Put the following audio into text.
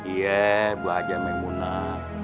iya bu haja maimunah